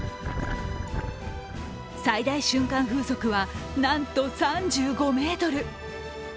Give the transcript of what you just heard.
最大瞬間風速は、なんと３５メートル